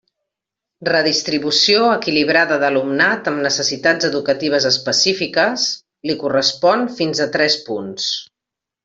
Redistribució equilibrada d'alumnat amb necessitats educatives específiques, li correspon fins a tres punts.